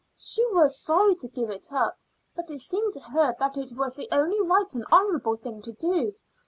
She was sorry to give it up, but it seemed to her that it was the only right and honorable thing to do.